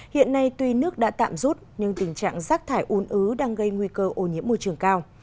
hiện nay tuy nước đã tạm rút nhưng tình trạng rác thải uốn ứ đang gây nguy cơ ô nhiễm môi trường cao